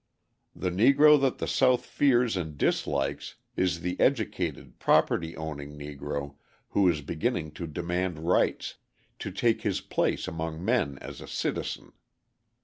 The Negro that the South fears and dislikes is the educated, property owning Negro who is beginning to demand rights, to take his place among men as a citizen.